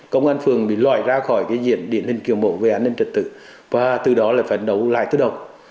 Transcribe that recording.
công an phường bị loại ra khỏi cái diện điển hình kiểu mẫu về an ninh trật tự và từ đó là phải đấu lại tự động